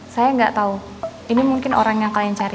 saya gak tau ini mungkin orang yang kalian cari